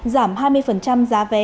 giảm hai mươi giá vé